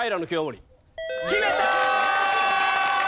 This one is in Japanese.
決めたー！